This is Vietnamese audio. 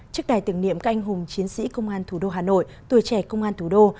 trước đài tưởng niệm các anh hùng chiến sĩ công an thủ đô hà nội tuổi trẻ công an thủ đô